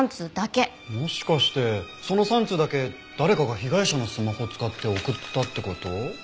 もしかしてその３通だけ誰かが被害者のスマホを使って送ったって事？